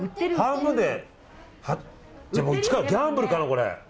じゃあギャンブルかな。